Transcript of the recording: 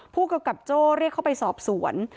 ผู้กำกับโจ้เรียกเข้าไปสอบสวน